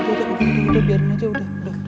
udah udah biarin aja udah udah